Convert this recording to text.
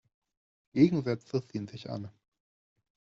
Gegensätze ziehen sich an.